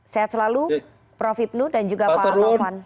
sehat selalu prof hipnu dan juga pak taufan